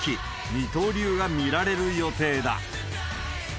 二刀流が見られる予定だ。